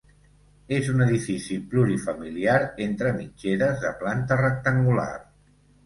És un edifici plurifamiliar entre mitgeres de planta rectangular.